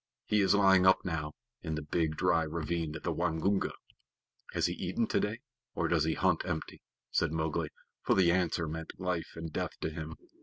He is lying up now, in the big dry ravine of the Waingunga." "Has he eaten today, or does he hunt empty?" said Mowgli, for the answer meant life and death to him.